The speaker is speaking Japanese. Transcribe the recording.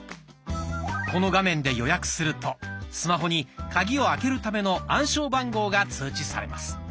この画面で予約するとスマホにカギを開けるための暗証番号が通知されます。